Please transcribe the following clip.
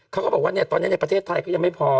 เขาก็บอกว่าพระเทศไทยตอนนี้ยังไม่พอ